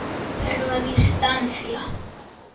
Pero a distancia.